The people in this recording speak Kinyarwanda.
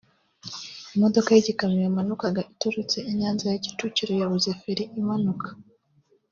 Imodoka y’ikamyo yamanukaga iturutse i Nyanza ya Kicukiro yabuze feri imanuka